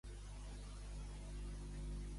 Quina relació tenien Abdyu i el Déu Ra?